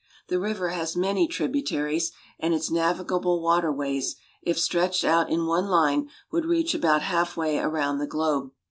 The river has many tributaries, and its navi gable water ways, if stretched out in one line, would reach about halfway around the globe.